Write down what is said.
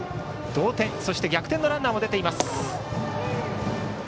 同点そして逆転のランナーも出ています。